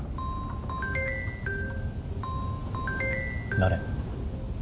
誰？